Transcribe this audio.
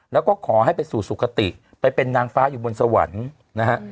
แล้วก็ขอให้ไปสู่สุขติไปเป็นนางฟ้าอยู่บนสวรรค์นะฮะ